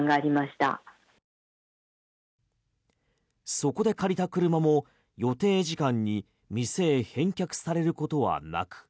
そこで借りた車も予定時間に店へ返却されることはなく